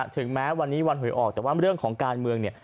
ถึงแม้วันนี้วันหวยออกแต่ว่าเรื่องของการเมืองเนี่ย